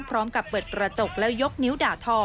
พร้อมกับเปิดกระจกแล้วยกนิ้วด่าทอ